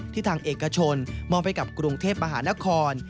ทางเอกชนมอบให้กับกรุงเทพมหานคร